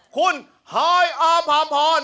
คุณฮอยอพอพรนครสวรรค์